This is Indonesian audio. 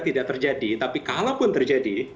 tidak terjadi tapi kalaupun terjadi